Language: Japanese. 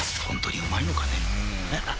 ホントにうまいのかね